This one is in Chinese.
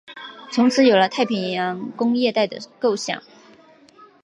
从此有了太平洋工业带的构想。